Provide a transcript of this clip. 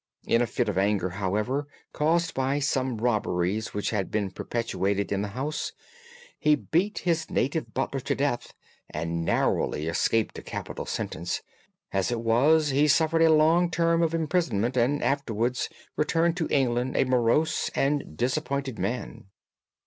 In a fit of anger, however, caused by some robberies which had been perpetrated in the house, he beat his native butler to death and narrowly escaped a capital sentence. As it was, he suffered a long term of imprisonment and afterwards returned to England a morose and disappointed man.